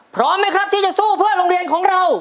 พร้อมไหมครับที่จะสู้เพื่อโรงเรียนของเรา